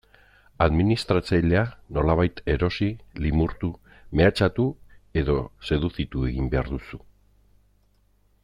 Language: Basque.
Administratzailea nolabait erosi, limurtu, mehatxatu edo seduzitu egin behar duzu.